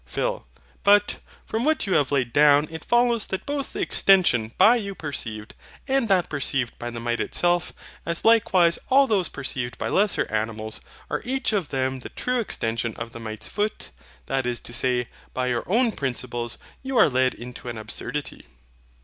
PHIL. But, from what you have laid down it follows that both the extension by you perceived, and that perceived by the mite itself, as likewise all those perceived by lesser animals, are each of them the true extension of the mite's foot; that is to say, by your own principles you are led into an absurdity.